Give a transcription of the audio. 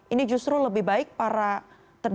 ini justru lebih baik para tenaga